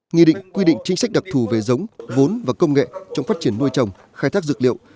nghị định quy định chính sách đặc thù về giống vốn và công nghệ trong phát triển nuôi trồng khai thác dược liệu